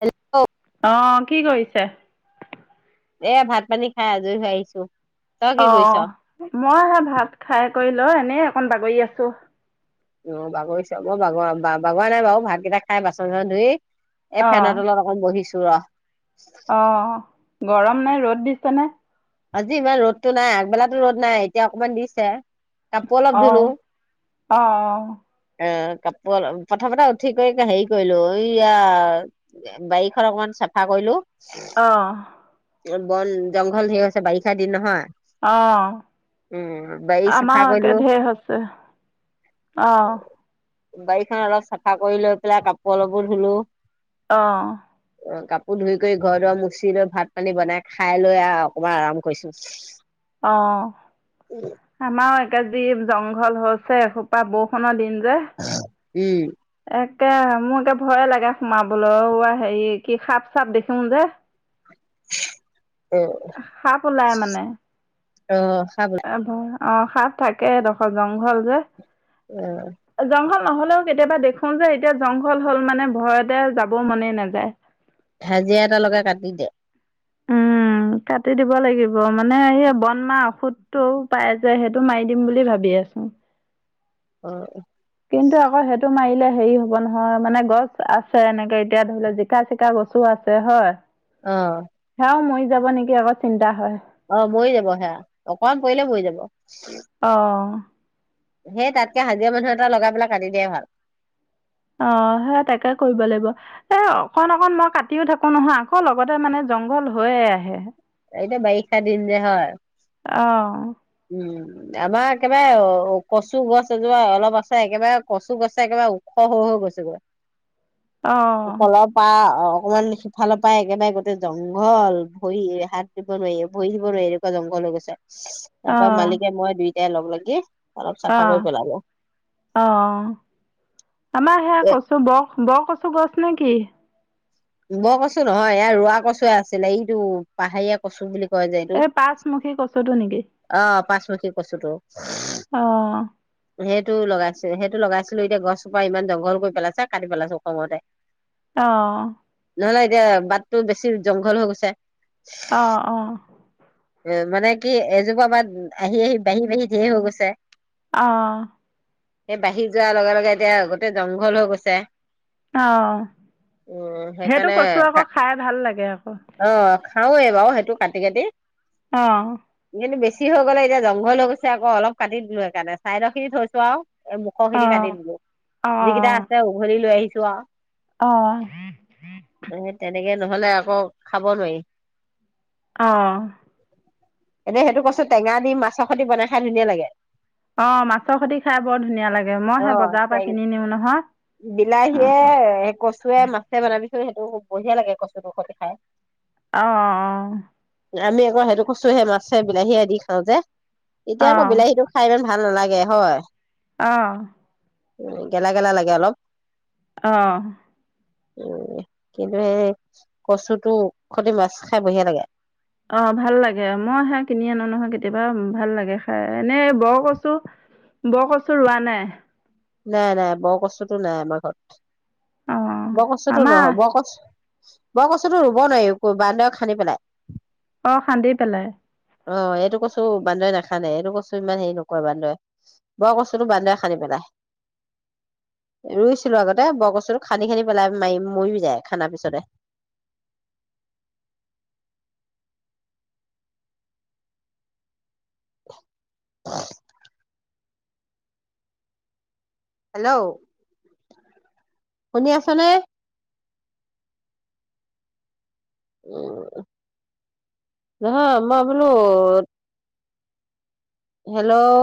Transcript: Hello? অ' কি কৰিছে? এয়া ভাত পানী খাই আজৰি হৈ আহিছোঁ। অ মইহে ভাত খাই কৰিলোঁ। অঁ এনেই অকণমান বাগৰি আছো। অ বাগৰিছে, বাগ বাগৰা নাই বাৰু। ভাত গিটা খাই বাচন চাচন ধুই। এ ফেনৰ তলত অকণমান বহিছোঁ। থোৱা অঁ! গৰম নাই, ৰ'দ দিছেনে? আজি ইমান ৰ'দতটো নাই। আগবেলাতো ৰ'দ নাই, এতিয়া অকমান দিছে। কাপোৰ অলপ অঁ! ধুলো অঁ, অঁ! অঁ! প্ৰথমে, প্ৰথমতে উঠি কৰি হেৰি কৰিলোঁ, এইয়া বাৰীখন অকমান চাফা কৰিলোঁ। অ'হ। বন জংঘল, জংঘল ধেৰ‌ হৈছে। বাৰিষা দিন নহয় অ'হ! উম বাৰী চাফা আমাৰোঁ কৰিলো একে ধেৰ হৈছে। অ'হ। বাৰীখন অলপ চাফা কৰি লৈ পেলাই কাপোৰ অলপো ধুলোঁ। অ'হ। অ 'কাপোৰ ধুই কৰি ঘৰ দোৱা মুচি লৈ, ভাত পানী বনাই খাই লৈ আৰু, অকমান আৰাম কৰিছোঁ। অ' আমাৰোঁ একে যি জংঘল হৈছে, এসোপা বৰষুণৰ দিন। হয়। উম। তাকে মোৰ এতিয়া ভয়ে লাগে সোমাবলৈও হেৰি কি সাপ চাপ দেখিম যে অ সাপ ওলাই মানে। অ খাব অ' সাপ থাকে। সেই ডোখৰ জংঘল যে। অ'হ। জংঘল নহ'লেও কেতিয়াবা দেখো‍ঁ যে, এতিয়া জংঘল হ'ল মানে, ভয়তে যাব মনে নাযায়। হাজিৰা এটা লগাই কাটি দে। উম কাটি দিব লাগিব, মানে সেই, বনমৰা ঔষধটো পাই যে, সেইটো মাৰি দিম বুলি ভাবি আছোঁ। অ'! উম! কিন্তু আকৌ সেইটো মাৰিলে হেৰি হ'ব নহয়, মানে, গছ আছে এনেকে, এতিয়া ধৰি লওক, জিকা চিকা গছোঁ আছে হয়। অ'হ! আৰু মৰি যাব নেকি আকৌ চিন্তা হয়। অ মৰি যাব সেয়া অকমান পৰিলে মৰি যাব। অ'। সেই তাতকে হাজিৰা মানুহ এটা লগাই পেলাই কাটি দিযায় ভাল। অ সেই তাকে কৰিব লাগিব এ অকন অকন মই কাটিও থাকো নহয় আকৌ লগতে মানে জংঘল হৈয়ে আহে। এতিয়া বাৰিষা দিন যে হয়? অ। উম আমাৰ একেবাৰে কচু গছ এজোপা অলপ আছে একেবাৰে কচু গছে একেবাৰে ওখ হৈ হৈ গৈছে গৈ। অ', উপৰ পা অকমান সিফালৰ পা একেবাৰে গোটেই জংঘল ভৰি হাত দিব নোৱাৰি ভৰি দিব নোৱাৰি এনেকোৱা জংঘল হৈ গৈছে। তাৰপা অ', মালিকে মই দুই টাই এতিয়া লগ লাগি অলপ অ চাফা কৰি পেলালো অ আমাৰ সেয়াই এ কছো ব ব কচু গছ নেকি? বকচু নহয় ইয়াৰ ৰোৱা কচুৱে আছিলে এইটো পাহাৰীয়া কচু বুলি কয় যে এইটো এ পাঁচমুখী কচুতো নেকি? অ পাঁচমুখী কচুটো অহ। সেইটো লগাইছো সেইটো লগাইছিলো এতিয়া গছজোপা ইমান জংঘল কৰি পেলাইছা কাটি পেলাইছো খঙতে। অহ নহলে এতিয়া বাটটো বেছি জংঘল হৈ গৈছে। অ অ উ মানে কি এজোপা বাৰ আহি আহি বাঢ়ি বাঢ়ি ঢেৰ হৈ গৈছে। অহ সেই বাঢ়ি যোৱাৰ লগে লগে এতিয়া গোটেই জংঘল হৈ গৈছে। অ উম সেইটো সেইকাৰণে কছো আকৌ খাই ভাল লাগে আকৌ। খাওঁৱে বাৰু সেইটো কাটি কাটি। অহ কিন্তু বেছি হৈ গ'লে এতিয়া জংঘল হৈ গৈছে আকৌ অলপ কাটি দিলোঁ সেইকাৰণে চাইদৰখিনি থৈছো আৰু। এ মুখ অ খিনি কাটি দিলো যিকেইটা আছে উঘলি লৈ আহি চোৱা। অহ সেই তেনেকে নহলে আকৌ খাব নোৱাৰি। অ। এতিয়া সেইটো কছো টেঙা দি মাছৰ খৈতি বনাই খাই ধুনীয়া লাগে। অ মাছৰ সৈতে খাই বৰ ধুনীয়া লাগে মই সেই অহ বজাৰৰ পৰা [unintelligible] কিনি নিওঁ নহয় অ বিলাহীয়ে কচুৱে মাছে বনাবিছোন সেইটো বঢ়িয়া লাগে কচু খতি খাই। অহ অহ অহ। আমি ম সেইটো কছোহে মাছে বিলাহীয়ে দি খাওঁ যে। এতিয়া অ আকৌ বিলাহীতো খাই ইমান ভাল ভাল নালাগে হয়? আহ উম গেলা গেলা লাগে অলপ আহ উম কিন্তু সেই কচুটো খতি মাছ খাই বঢ়িয়া লাগে। অ ভাল লাগে মই খাই কিনি আনো নহয় কেতিয়াবা ভাল লাগে। খাই এনেই বৰ কচু বৰ কচু ৰোৱা নাই। নাই নাই বৰ কচুটো নাই আমাৰ ঘৰত অ বকচুতটো আমাৰ নহয় বকচু বকচুতটো ৰুব নোৱাৰি বান্দৰে খান্দি পেলাই। অ খান্দি পেলাই অ এইটো কচু বান্দৰে নাখানে এইটো কচু ইমান হেৰি নকয় বান্দৰে বৰকচুতো বান্দৰে খান্দি পেলাই। ৰুইছিলো আগতে বৰকচু খান্দি খান্দি পেলাই মাৰি মৰি যায় খন্দা পিছতে। আহ [inaudible] হেল্ল' শুনি আছনে,? নহয় মই বোলো হেল্ল'